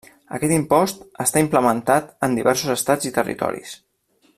Aquest impost està implementat en diversos estats i territoris.